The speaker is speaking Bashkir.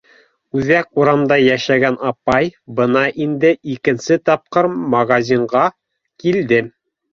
Үҙәк урамда йәшәгән апай бына инде икенсе тапҡыр магазинға килде.